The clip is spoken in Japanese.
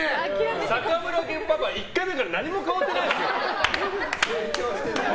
坂村家パパ、１回目から何も変わってないですよ。